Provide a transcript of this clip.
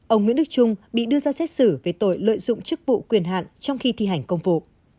ông nguyễn đức trung bị đưa ra xét xử về tội lợi dụng chức vụ quyền hạn trong khi thi hành công vụ